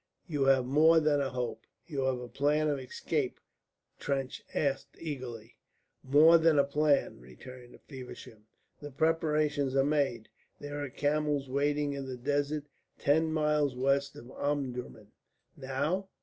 "You have more than a hope. You have a plan of escape?" Trench asked eagerly. "More than a plan," returned Feversham. "The preparations are made. There are camels waiting in the desert ten miles west of Omdurman." "Now?"